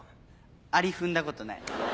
アリ踏んだことない。